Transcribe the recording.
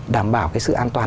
đảm bảo cái sự an toàn